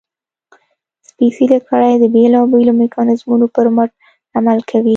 سپېڅلې کړۍ د بېلابېلو میکانیزمونو پر مټ عمل کوي.